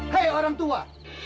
hei orang tua